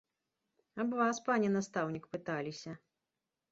Аб вас, пане настаўнік, пыталіся.